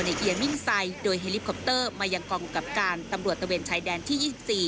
เพื่อดัดแปลงสภาพรถทำช่องลับซุกซ่อนยาเสพติด